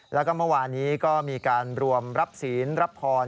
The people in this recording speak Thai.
แล้วก็เมื่อวานนี้ก็มีการรวมรับศีลรับพร